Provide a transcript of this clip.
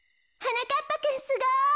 なかっぱくんすごい。